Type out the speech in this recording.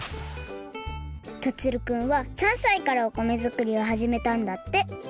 樹くんは３さいからお米づくりをはじめたんだって。